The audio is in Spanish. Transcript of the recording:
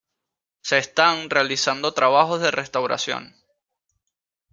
Se están realizando trabajos de restauración.